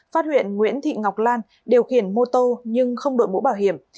phát hiện nguyễn thị ngọc lan điều khiển mô tô nhưng không đội mũ bảo hiểm